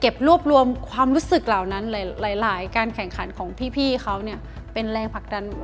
รวบรวมความรู้สึกเหล่านั้นหลายการแข่งขันของพี่เขาเนี่ยเป็นแรงผลักดัน